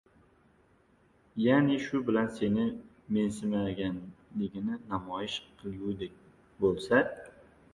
ya’ni shu bilan seni mensimaganligini namoyish qilgudek bo‘lsa